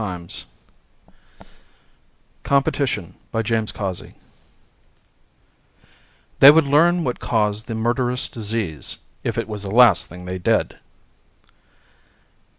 net COMPETITION By JAMES CAUSEY _They would learn what caused the murderous disease if it was the last thing they did!